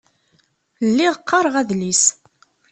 Lliɣ qqaṛeɣ adlis.